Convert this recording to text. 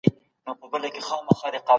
عزتمن سړی کله هم د بل حق نه رسوی.